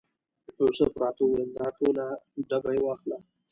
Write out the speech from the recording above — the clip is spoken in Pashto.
یوسف راته وویل دا ټول ډبې واخله.